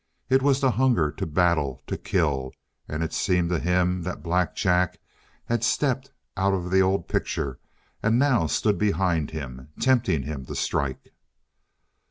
It was the hunger to battle, to kill. And it seemed to him that Black Jack had stepped out of the old picture and now stood behind him, tempting him to strike.